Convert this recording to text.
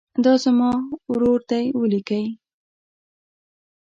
دا زما ورور دی ولیکئ.